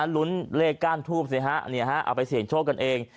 ลุ้นเลขก้านทูบสิฮะเอาไปเสี่ยงโชคกันเอง